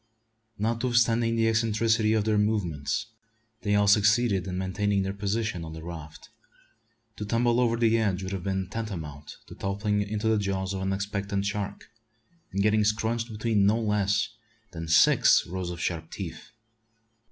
Notwithstanding the eccentricity of their movements, they all succeeded in maintaining their position on the raft. To tumble over the edge would have been tantamount to toppling into the jaws of an expectant shark, and getting "scrunched" between no less than six rows of sharp teeth.